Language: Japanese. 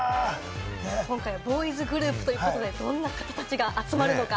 今回はボーイズグループということで、どんな方たちが集まるのか。